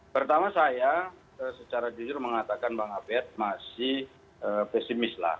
pertama saya secara jujur mengatakan bang abed masih pesimis lah